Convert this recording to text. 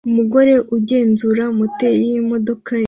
Umugore agenzura moteri yimodoka ye